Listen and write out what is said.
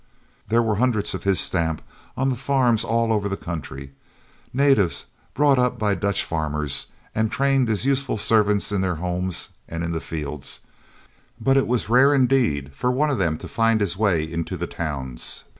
There were hundreds of his stamp on the farms all over the country, natives brought up by the Dutch farmers and trained as useful servants in their homes and in the fields, but it was rare indeed for one of them to find his way into the towns.